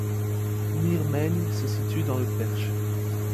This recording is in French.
Miermaigne se situe dans le Perche.